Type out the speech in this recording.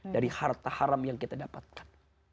dari harta haram yang kita dapatkan